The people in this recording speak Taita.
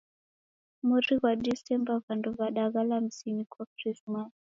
Mori ghwa Disemba w'andu w'adaghala mizinyi kwa Krismasi